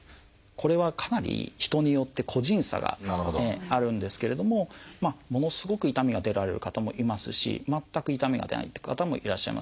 これはかなり人によって個人差があるんですけれどもものすごく痛みが出られる方もいますし全く痛みが出ないって方もいらっしゃいます。